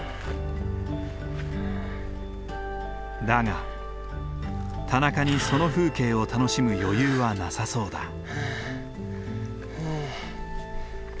だが田中にその風景を楽しむ余裕はなさそうだ。